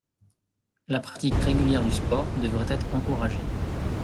La pratique régulière du sport devrait être encouragée.